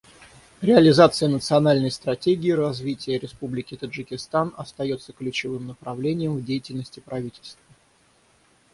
Реализация национальной стратегии развития Республики Таджикистан остается ключевым направлением в деятельности правительства.